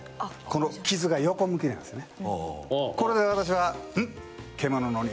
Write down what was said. この傷が横向きなんですね。